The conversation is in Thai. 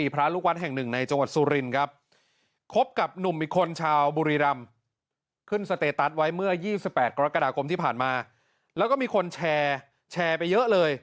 แล้วก็๒๘กรกฎาคมที่ผ่านมาแล้วก็มีคนแชร์แชร์ไปเยอะเลย